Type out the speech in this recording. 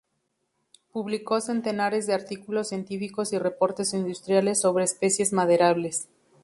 Publicó centenares de artículos científicos y reportes industriales sobre especies maderables.